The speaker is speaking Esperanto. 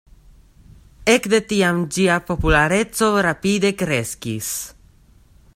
Ekde tiam ĝia populareco rapide kreskis.